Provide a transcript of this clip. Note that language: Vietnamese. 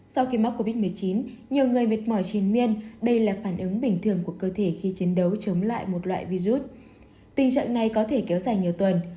sau khi mắc covid một mươi chín nhiều người mệt mỏi triền miên đây là phản ứng bình thường của cơ thể khi chiến đấu chống lại một loại virus tình trạng này có thể kéo dài nhiều tuần